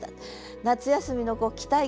夏休みの期待感